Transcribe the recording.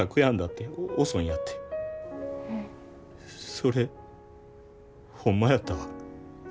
それホンマやったわ。